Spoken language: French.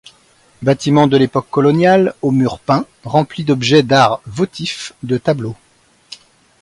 Bâtiments de l'époque coloniale, aux murs peints, remplis d'objets d'art votif, de tableaux...